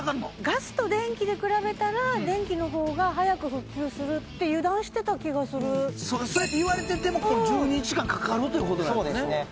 ガスと電気で比べたら電気のほうが早く復旧するって油断してた気がするそうやっていわれてても１２日間かかるということなんですね